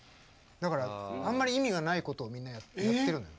だからあんまり意味のない事をみんなやってるのよ。